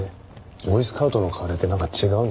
ボーイスカウトのカレーってなんか違うんですか？